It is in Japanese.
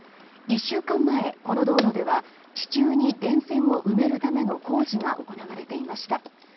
１週間前、この道路では地中に電線を埋めるための工事が行われていました。